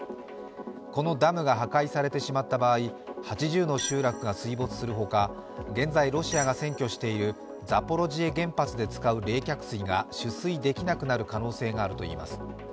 このダムが破壊されてしまった場合、８０の集落が水没するほか、現在、ロシアが占拠しているザポロジエ原発で使う冷却水が取水できなくなる可能性があるといいます。